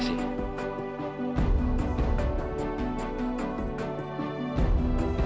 sekarang lebih siapa